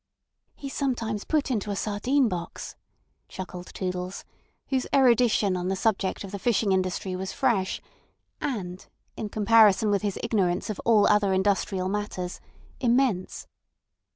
"He's sometimes put into a sardine box," chuckled Toodles, whose erudition on the subject of the fishing industry was fresh and, in comparison with his ignorance of all other industrial matters, immense.